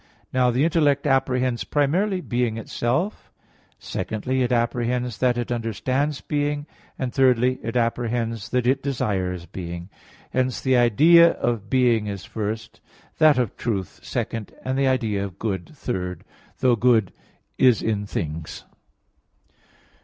Now the intellect apprehends primarily being itself; secondly, it apprehends that it understands being; and thirdly, it apprehends that it desires being. Hence the idea of being is first, that of truth second, and the idea of good third, though good is in things.